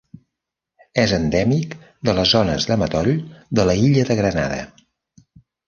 És endèmic de les zones de matoll de l'illa de Grenada.